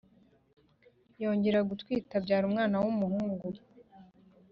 Yongera gutwita abyara umwana w’umuhungu